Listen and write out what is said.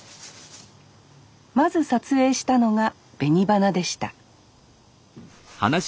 まず撮影したのが紅花でした